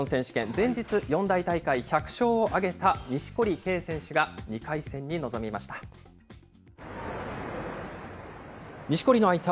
前日、四大大会１００勝を挙げた錦織圭選手が２回戦に臨みました。